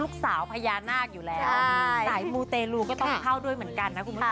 ลูกสาวพยาหน้ากอยู่แล้ว